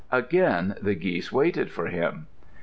Again the geese waited for him.